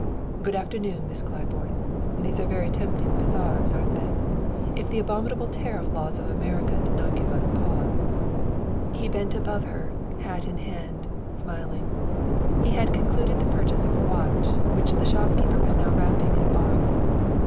"Good afternoon, Miss Claiborne. These are very tempting bazaars, aren't they? If the abominable tariff laws of America did not give us pause " He bent above her, hat in hand, smiling. He had concluded the purchase of a watch, which the shopkeeper was now wrapping in a box.